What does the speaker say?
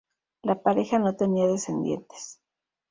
La pareja no tenía descendientes.